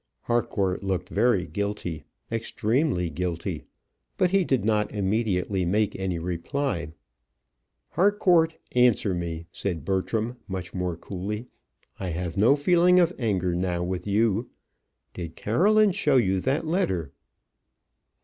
Harcourt looked very guilty, extremely guilty; but he did not immediately make any reply. "Harcourt, answer me," said Bertram, much more coolly. "I have no feeling of anger now with you. Did Caroline show you that letter?"